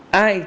và hơn hết